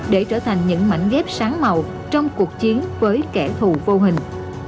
để trở thành những mảnh ghép sáng màu trong cuộc chiến với kẻ thù vô hình